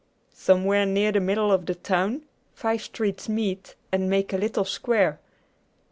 Somewhere near the middle of the town, five streets meet and make a little square....